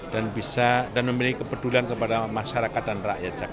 dan memiliki kepedulan kepada masyarakat dan rakyat jakarta